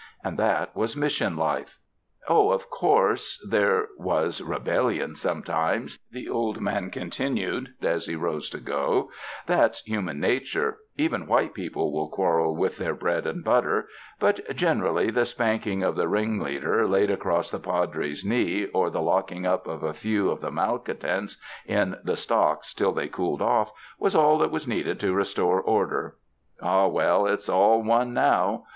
And that was Mission life. '*0h, of course, there was rebellion sometimes," the old man continued as he rose to go, "that's hu man nature; even white people will quarrel with their bread and butter; but generally the spanking of the ringleader laid across the Padre's knee, or the locking up of a few of the malcontents in the stocks till they cooled off, was all that was needed to restore order. Ah, well, it's all one now.